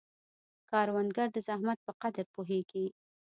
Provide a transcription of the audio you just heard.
کروندګر د زحمت په قدر پوهیږي